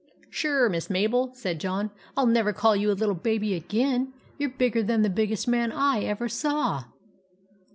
"Sure, Miss Mabel," said John, " I '11 never call you a little baby again. You 're bigger than the biggest man / ever saw